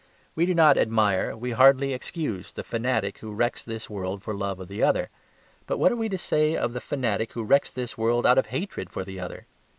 We do not admire, we hardly excuse, the fanatic who wrecks this world for love of the other. But what are we to say of the fanatic who wrecks this world out of hatred of the other?